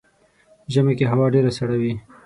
ژمی کې هوا ډیره سړه وي .